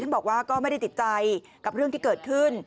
บอกว่าก็ไม่ได้ติดใจกับเรื่องที่เกิดขึ้น